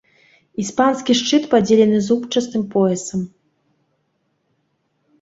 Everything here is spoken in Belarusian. Іспанскі шчыт падзелены зубчастым поясам.